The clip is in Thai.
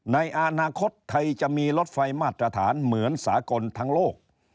ในอนาคตไทยจะมีรถไฟมาตรฐานเหมือนสากลทั้งโลก